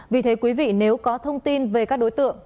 vì thế quý vị nếu có thông tin về các đối tượng